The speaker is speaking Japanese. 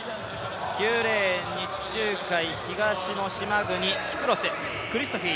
９レーンに地中海東の島国キプロスクリストフィ。